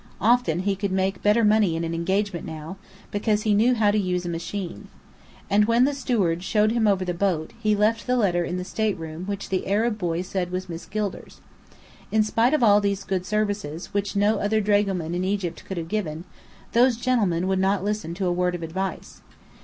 Often he could make better money in an engagement now, because he knew how to use a machine. And when the steward showed him over the boat, he left the letter in the stateroom which the Arab boy said was Miss Gilder's. In spite of all these good services, which no other dragoman in Egypt could have given, those gentlemen would not listen to a word of advice.